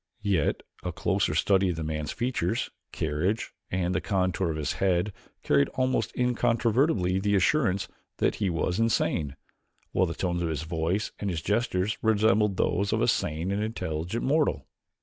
Yet a closer study of the man's features, carriage, and the contour of his head carried almost incontrovertibly the assurance that he was insane, while the tones of his voice and his gestures resembled those of a sane and intelligent mortal.